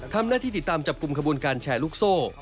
ทำหน้าที่ติดตามจับกลุ่มขบวนการแชร์ลูกโซ่